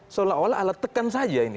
seolah olah alat tekan saja ini